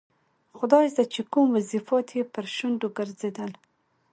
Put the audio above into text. خدایزده چې کوم وظیفات یې پر شونډو ګرځېدل.